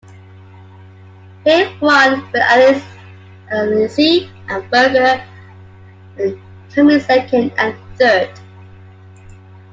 Hill won, with Alesi and Berger coming second and third.